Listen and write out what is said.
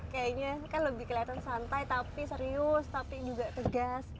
kayaknya kan lebih kelihatan santai tapi serius tapi juga tegas